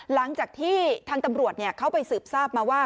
หลังจากที่ทางตำรวจเขาไปสืบทราบมาว่า